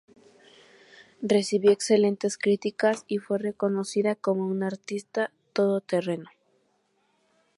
Recibió excelentes críticas y fue reconocida como una artista todoterreno.